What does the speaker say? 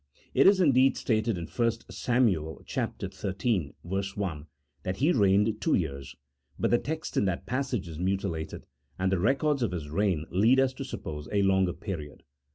It is, indeed, stated in 1 Sam. xiii. 1, that he reigned two years, but the text in that passage is mutilated, and the records of his reign lead us to suppose a longer period.